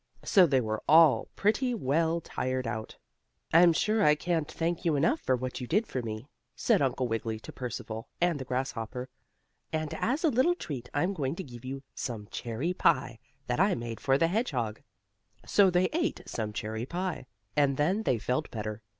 So they were all pretty well tired out. "I'm sure I can't thank you enough for what you did for me," said Uncle Wiggily to Percival, and the grasshopper. "And as a little treat I'm going to give you some cherry pie that I made for the hedgehog." So they ate some cherry pie, and then they felt better.